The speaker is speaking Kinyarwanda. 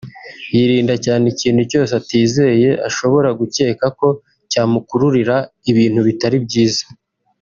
yirinda cyane ikintu cyose atizeye ashobora gucyeka ko cyamukururira ibintu bitari byiza